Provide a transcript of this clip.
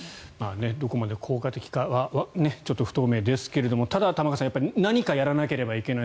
どこまで効果的かはちょっと不透明ですけど玉川さん何かはやらなければいけない。